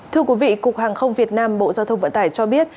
thưa quý vị cục hàng không việt nam bộ giao thông vận tải cho biết